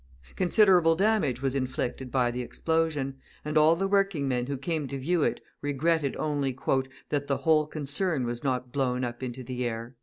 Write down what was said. Considerable damage was inflicted by the explosion, and all the working men who came to view it regretted only "that the whole concern was not blown into the air."